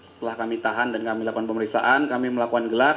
setelah kami tahan dan kami lakukan pemeriksaan kami melakukan gelar